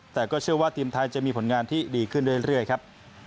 แต่ก็เชื่อว่าทีมไทยจะมีผลงานที่ดีขึ้นเรื่อยครับ